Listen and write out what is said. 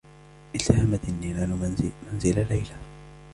التهمت النّيران منزل ليلى.